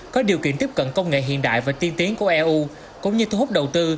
có điều kiện tiếp cận công nghệ hiện đại và tiên tiến của eu cũng như thu hút đầu tư